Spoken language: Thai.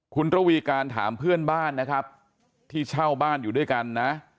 คุณระวีการถามเพื่อนบ้านนะครับที่เช่าบ้านอยู่ด้วยกันนะ